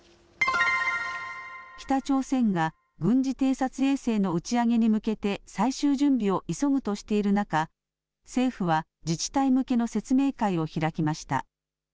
北朝鮮が軍事偵察衛星の打ち上げに向けて最終準備を急ぐとしている中、政府は自治体向けの説明会を開きました。